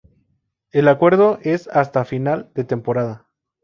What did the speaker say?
El acuerdo es hasta final de temporada.